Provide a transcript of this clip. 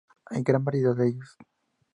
Hay gran variedad de ellos.